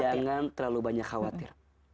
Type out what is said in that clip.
jangan terlalu banyak khawatir